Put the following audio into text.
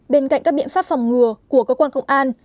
bên cạnh các biện pháp phòng ngừa của cơ quan công an